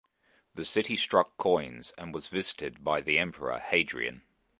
The city struck coins and was visited by the Emperor Hadrian.